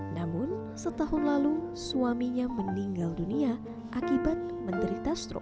namun setahun lalu suaminya meninggal dunia akibat menderita strok